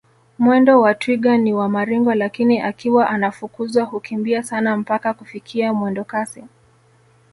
Mwendo wa twiga ni wa maringo lakini akiwa anafukuzwa hukimbia sana mpaka kufikia mwendokasi